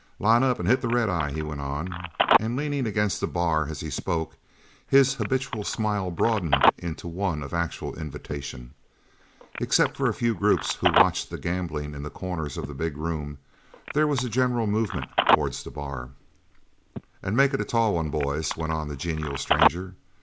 "Line up and hit the red eye," he went on, and leaning against the bar as he spoke, his habitual smile broadened into one of actual invitation. Except for a few groups who watched the gambling in the corners of the big room, there was a general movement towards the bar. "And make it a tall one, boys," went on the genial stranger.